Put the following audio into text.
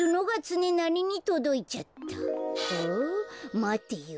まてよ。